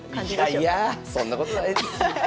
いやいやそんなことないです。